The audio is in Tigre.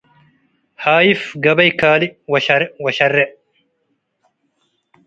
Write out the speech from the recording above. ሃይፍ ገበይ ካልእ ወሸርዕ